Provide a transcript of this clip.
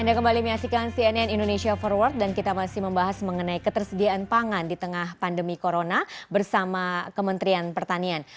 anda kembali menyaksikan cnn indonesia forward dan kita masih membahas mengenai ketersediaan pangan di tengah pandemi corona bersama kementerian pertanian